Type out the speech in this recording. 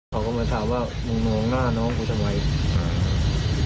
เขาก็มาถามว่ามึงมองหน้าน้องกูทำไมอ่า